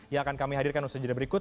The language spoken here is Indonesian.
yang akan kami hadirkan usai jeda berikut